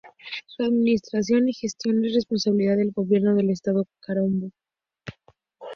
Su administración y gestión es responsabilidad del Gobierno del Estado Carabobo.